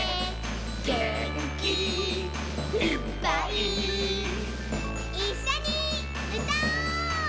「げんきいっぱい」「いっしょにうたおう！」